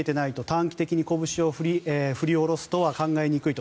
短期的にこぶしを振り下ろすとは考えにくいと。